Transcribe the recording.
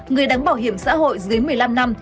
người đóng bảo hiểm xã hội dưới một mươi năm năm